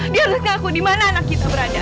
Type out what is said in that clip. dia harus kaku di mana anak kita berada